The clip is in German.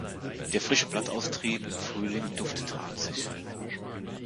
Der frische Blattaustrieb im Frühling duftet harzig.